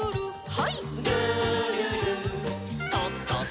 はい。